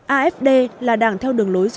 afd là đảng theo đường lối trung tạ